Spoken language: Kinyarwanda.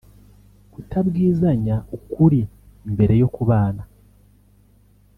Kutabwizanya ukuri mbere yo kubana